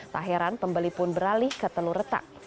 tak heran pembeli pun beralih ke telur retak